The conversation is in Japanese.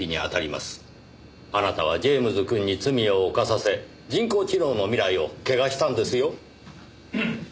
あなたはジェームズくんに罪を犯させ人工知能の未来を汚したんですよ。